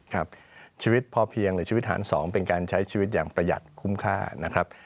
ครับชีวิตพอเพียงหรือชีวิตหาร๒เป็นการใช้ชีวิตอย่างประหยัดคุ้มค่านะครับ